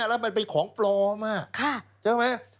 แล้วมันเป็นของปลอมใช่ไหม